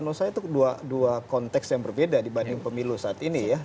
menurut saya itu dua konteks yang berbeda dibanding pemilu saat ini ya